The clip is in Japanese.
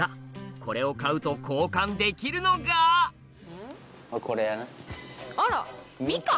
これを買うと交換できるのがあら。